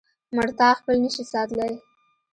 مړتا خپل نشي ساتلی.